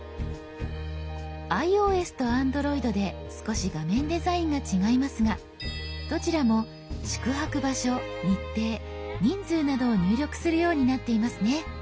ｉＯＳとＡｎｄｒｏｉｄで少し画面デザインが違いますがどちらも宿泊場所日程人数などを入力するようになっていますね。